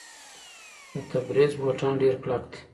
د تبریز بوټان ډیر کلک دي.